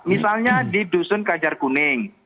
misalnya di dusun kajar kuning